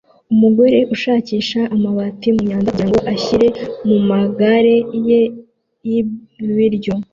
Umugore ushakisha amabati mumyanda kugirango ashyire mumagare ye y'ibiryo